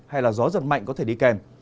hay gió giật mạnh có thể đi kèm